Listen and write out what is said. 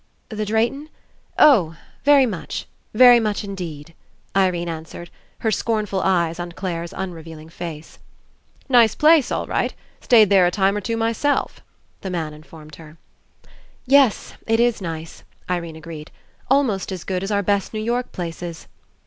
"The Drayton? Oh, very much. Very much Indeed," Irene answered, her scornful eyes on Clare's unrevealing face. "Nice place, all right. Stayed there a time or two myself," the man informed her. 74 ENCOUNTER "Yes, Jt is nice," Irene agreed. "Almost as good as our best New York places."